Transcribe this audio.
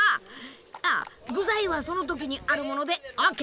具材はその時にあるものでＯＫ！